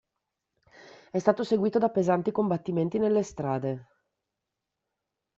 È stato seguito da pesanti combattimenti nelle strade.